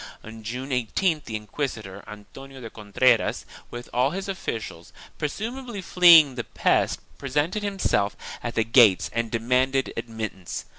On June 18th the inquisitor, Antonio de Contreras, with all his officials, presumably fleeing from the pest, presented himself at the gates and demanded admittance.